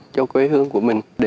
cho quê hương của mình